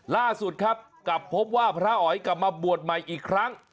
ล่าสุดครับกลับพบว่าพระอ๋อยกลับมาบวชใหม่อีกครั้ง